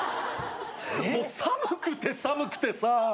もう寒くて寒くてさ。